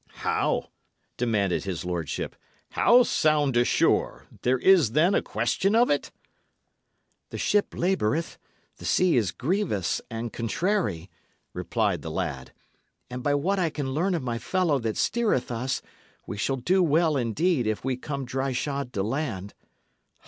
"How!" demanded his lordship. "Come sound ashore? There is, then, a question of it?" "The ship laboureth the sea is grievous and contrary," replied the lad; "and by what I can learn of my fellow that steereth us, we shall do well, indeed, if we come dryshod to land."